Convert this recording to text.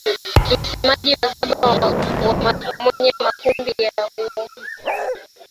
Msemaji wa Msalaba Mwekundu wa Uganda Irene Nakasita aliwaambia waandishi wa habari kuwa.